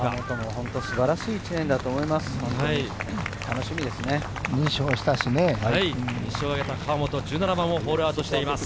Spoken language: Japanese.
本当に素晴らしい１年だったと思います。